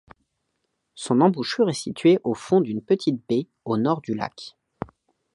Son embouchure est située au fond d'une petite baie au Nord du lac.